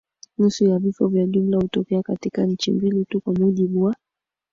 nusu ya vifo vya jumla hutokea katika nchi mbili tu kwa mujibu wa